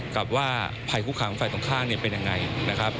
กับว่าภายคุกขังฝ่ายตรงข้างเป็นอย่างไร